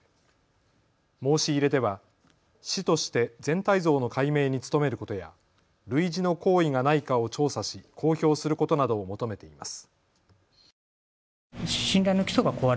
申し入れでは、市として全体像の解明に努めることや類似の行為がないかを調査し公表することなどを求めています。